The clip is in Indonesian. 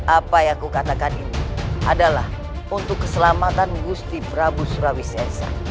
apa yang kukatakan ini adalah untuk keselamatan gusti prabu surawisesa